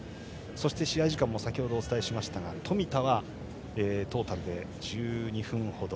そして試合時間も先ほどお伝えしましたが冨田はトータルで１２分ほど。